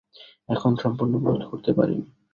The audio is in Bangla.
এখনো সম্পূর্ণ বোধ করতে পারি নি।